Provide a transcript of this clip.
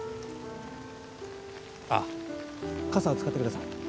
あっ傘使ってください。